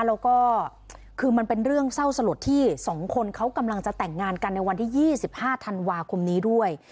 แล้วก็คือมันเป็นเรื่องเศร้าสลดที่๒คนเขากำลังจะแต่งงานกันในวันที่๒๕ธันวาคมนี้ด้วย